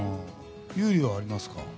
優里は、ありますか？